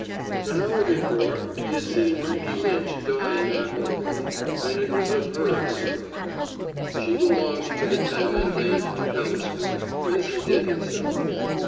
An hour before he had seen Maggie Lynch die in that hallway, and it was of her he spoke. She belonged to the tenement and to Pell street, as he did himself.